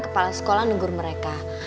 kepala sekolah negur mereka